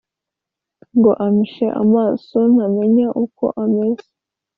ngo ampishe amaso ntamenya uko ameze.